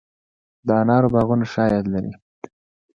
د انارو باغونه ښه عاید لري؟